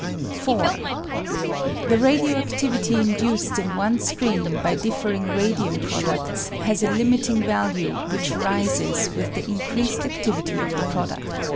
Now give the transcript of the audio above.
4. The radio adivity induced in one screen by differing radium produds has a limiting value which rises with the increased adivity of the produd.